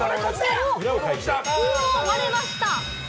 割れました。